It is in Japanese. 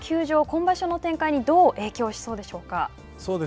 今場所の展開にどう影響しそうでしょうか。